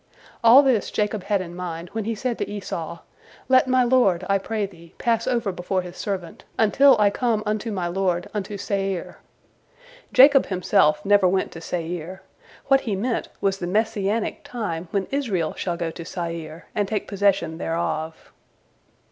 All this Jacob had in mind when he said to Esau, "Let my lord, I pray thee, pass over before his servant, until I come unto my lord unto Seir." Jacob himself never went to Seir. What he meant was the Messianic time when Israel shall go to Seir, and take possession thereof.